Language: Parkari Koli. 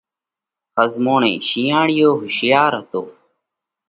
ۿزموڻئِي شِينئاۯِيو هوشِيار هتو۔